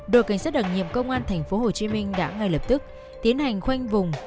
đội cảnh sát đặc nhiệm công an tp hcm đã ngay lập tức tiến hành khoanh vùng